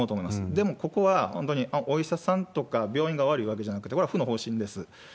でも、ここは本当にお医者さんとか病院が悪いわけじゃなくて、これは府の方針です。